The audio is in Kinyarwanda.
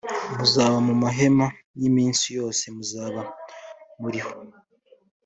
muzaba mu mahema iminsi yoze muzaba muriho